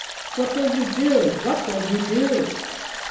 "What will you do? What will you do?"